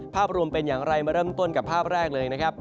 ภาพรวมเป็นอย่างไรมาเริ่มต้นกับภาพแรกเลยนะครับ